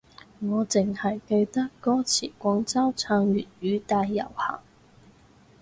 我淨係記得歌詞廣州撐粵語大遊行